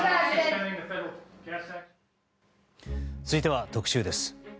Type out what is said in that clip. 続いては特集です。